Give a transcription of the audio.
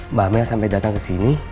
mbak mel sampai datang kesini